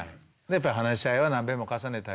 やっぱり話し合いは何べんも重ねたり